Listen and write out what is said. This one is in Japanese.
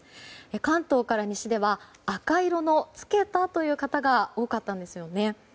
関東から西では赤色のつけたという方が多かったんですよね。